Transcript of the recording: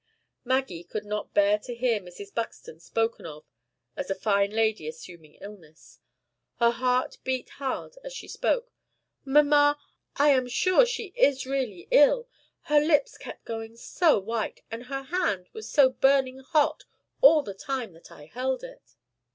Maggie could not bear to hear Mrs. Buxton spoken of as a fine lady assuming illness. Her heart beat hard as she spoke. "Mamma! I am sure she is really ill. Her lips kept going so white; and her hand was so burning hot all the time that I held it."